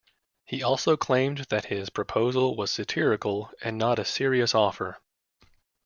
He also claimed that his proposal was satirical and not a serious offer.